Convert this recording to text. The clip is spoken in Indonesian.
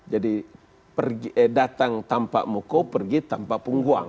jadi datang tanpa moko pergi tanpa penguang